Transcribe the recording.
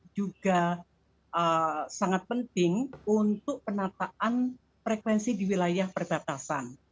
juga sangat penting untuk penataan frekuensi di wilayah perbatasan